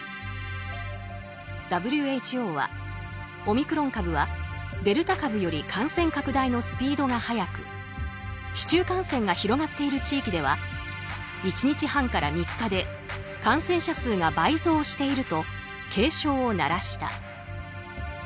ＷＨＯはオミクロン株はデルタ株より感染拡大のスピードが早く市中感染が広がっている地域では１日半から３日で感染者数が倍増していると警鐘を鳴らした。